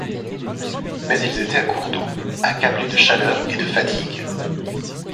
Mais ils étaient à court d’eau, accablés de chaleur et de fatigue.